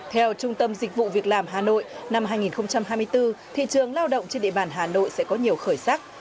theo trung tâm dịch vụ việc làm hà nội năm hai nghìn hai mươi bốn thị trường lao động trên địa bàn hà nội sẽ có nhiều khởi sắc